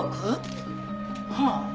はあ！